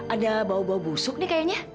ada bau bau busuk nih kayaknya